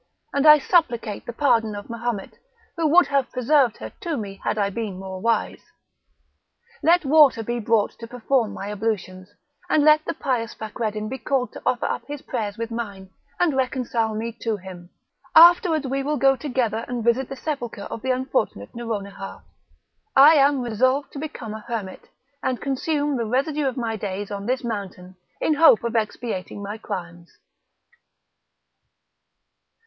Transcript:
and I supplicate the pardon of Mahomet, who would have preserved her to me had I been more wise; let water be brought to perform my ablutions, and let the pious Fakreddin be called to offer up his prayers with mine, and reconcile me to him; afterwards we will go together and visit the sepulchre of the unfortunate Nouronihar; I am resolved to become a hermit, and consume the residue of my days on this mountain, in hope of expiating my crimes."